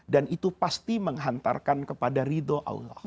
dan itu pasti menghantarkan kepada ridho allah